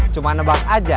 cuma nebak aja